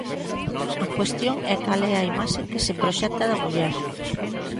A cuestión é cal é a imaxe que se proxecta da muller.